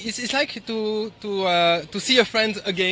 ที่เห็นเพื่อนหน่อยแน่